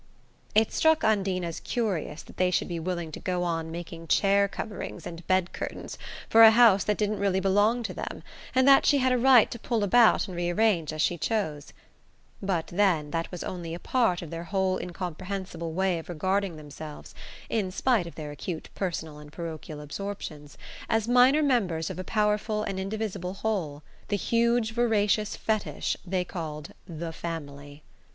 It struck Undine as curious that they should be willing to go on making chair coverings and bed curtains for a house that didn't really belong to them, and that she had a right to pull about and rearrange as she chose; but then that was only a part of their whole incomprehensible way of regarding themselves (in spite of their acute personal and parochial absorptions) as minor members of a powerful and indivisible whole, the huge voracious fetish they called The Family.